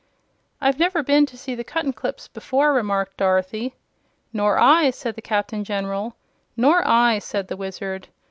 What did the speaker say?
"I've never seen the Cuttenclips before," remarked Dorothy. "Nor I," said the Captain General. "Nor I," said the Wizard.